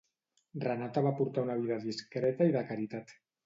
Renata va portar una vida discreta i de caritat.